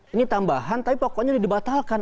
ini tambahan tapi pokoknya dibatalkan